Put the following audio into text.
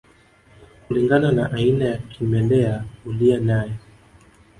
Kulingana na aina ya kimelea uliye naye